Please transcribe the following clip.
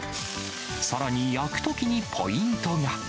さらに焼くときにポイントが。